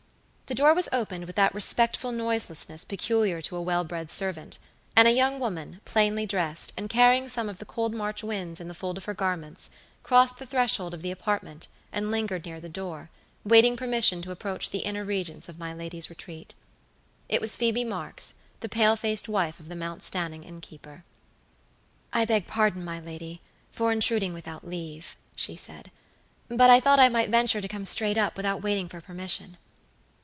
The door was opened with that respectful noiselessness peculiar to a well bred servant, and a young woman, plainly dressed, and carrying some of the cold March winds in the folds of her garments, crossed the threshold of the apartment and lingered near the door, waiting permission to approach the inner regions of my lady's retreat. It was Phoebe Marks, the pale faced wife of the Mount Stanning innkeeper. "I beg pardon, my lady, for intruding without leave," she said; "but I thought I might venture to come straight up without waiting for permission."